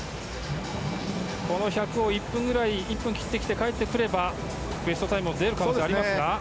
この１００を１分切ってきて帰ってくればベストタイムが出る感じありますか。